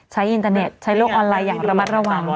อินเตอร์เน็ตใช้โลกออนไลน์อย่างระมัดระวัง